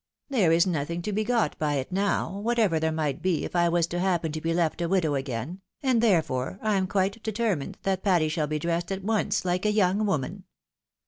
There is nothing to be got by it now, whatever there n\ight be if I was to happen to be left a widow again, and, therefore, I'm quite determined that Patty shall be dressed at once like a young woman.